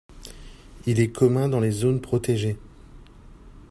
Il est commun dans les zones protégées.